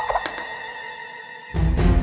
tiba tiba prihutan menghampiriiku